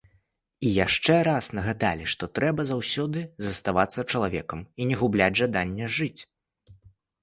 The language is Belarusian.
І яшчэ раз нагадалі, што трэба заўсёды заставацца чалавекам і не губляць жаданне жыць.